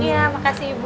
iya makasih bu